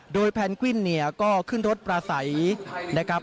โดยแพนกวินก็ขึ้นรถประสัยนะครับ